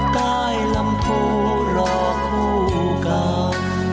ใต้ลำพูรอคู่กัน